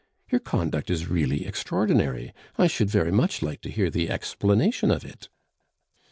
Your conduct is really extraordinary; I should very much like to hear the explanation of it."